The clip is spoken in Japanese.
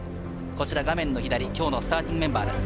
画面の左、きょうのスターティングメンバーです。